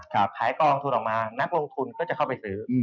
ขายกองทุนออกมานักลงทุนก็จะเข้าไปซื้อ